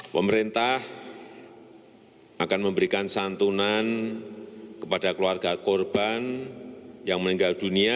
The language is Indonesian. pemerintah akan memberikan santunan kepada keluarga korban yang meninggal dunia